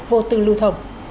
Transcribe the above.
vô tư lưu thông